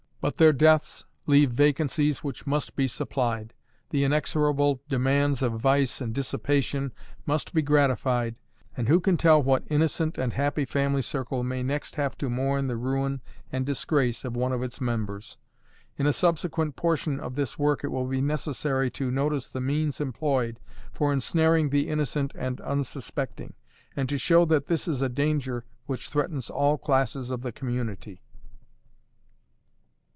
But their deaths leave vacancies which must be supplied: the inexorable demands of vice and dissipation must be gratified, and who can tell what innocent and happy family circle may next have to mourn the ruin and disgrace of one of its members? In a subsequent portion of this work it will be necessary to notice the means employed for ensnaring the innocent and unsuspecting, and to show that this is a danger which threatens all classes of the community.